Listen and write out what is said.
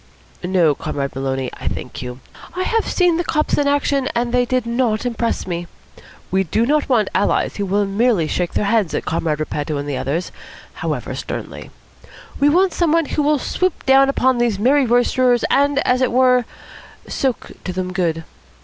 "No, Comrade Maloney, I thank you. I have seen the cops in action, and they did not impress me. We do not want allies who will merely shake their heads at Comrade Repetto and the others, however sternly. We want some one who will swoop down upon these merry roisterers, and, as it were, soak to them good.